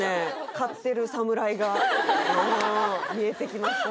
飼ってる侍がうん見えてきました